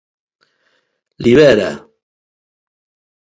Libera!